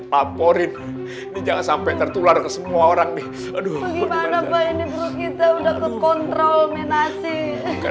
laporin jangan sampai tertular ke semua orang nih aduh gimana pak ini udah kekontrol menasih